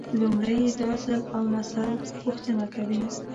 لومړی یې د اصل اونسل پوښتنه کوي.